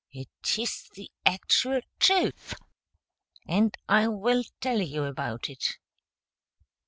It is the actual truth, and I will tell you about it.